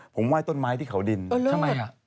ผมไหว้ต้นไม้ที่เขาดินทำไมอ่ะ